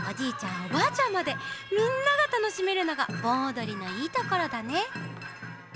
おばあちゃんまでみんながたのしめるのがぼんおどりのいいところだね。